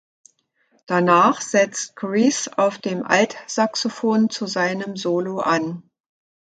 Danach setzt Gryce auf dem Altsaxophon zu seinem Solo an.